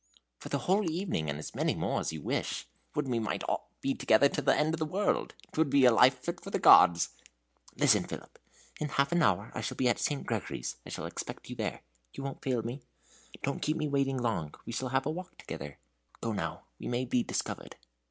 "For the whole evening, and as many more as you wish. Would we might be together till the end of the world! 'T would be a life fit for gods!" "Listen, Philip; in half an hour I shall be at St. Gregory's. I shall expect you there. You won't fail me? Don't keep me waiting long we shall have a walk together. Go now we may be discovered."